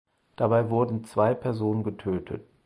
Dabei wurden zwei Personen getötet.